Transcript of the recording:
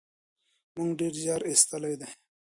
موږ ډېر زیار ایستلی دی.